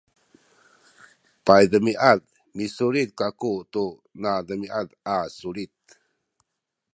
paydemiad misulit kaku tu nademiad a sulit